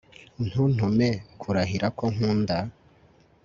Ntuntume kurahira ko nkunda